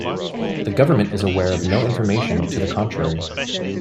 The government is aware of no information to the contrary.